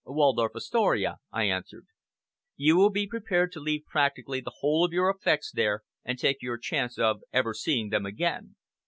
"Waldorf Astoria," I answered. "You will be prepared to leave practically the whole of your effects there, and take your chance of ever seeing them again."